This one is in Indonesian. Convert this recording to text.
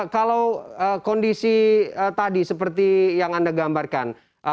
kalau kondisi tadi seperti yang anda gambarkan